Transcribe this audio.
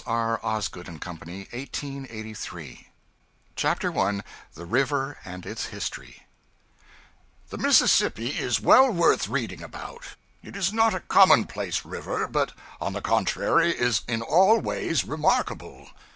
EDITOR'S TABLE, HARPER'S MAGAZINE, FEBRUARY 1863 CHAPTER 1 The River and Its History THE Mississippi is well worth reading about. It is not a commonplace river, but on the contrary is in all ways remarkable.